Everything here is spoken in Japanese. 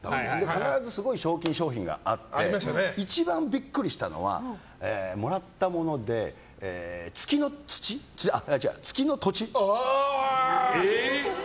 必ずすごい賞金、賞品があって一番ビックリしたのはもらったもので月の土地。